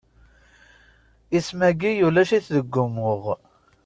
Isem-ayi ulac-it deg umuɣ.